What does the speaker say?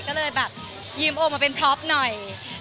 ก็เลยแบบยืมโอมาเป็นพล็อปหน่อย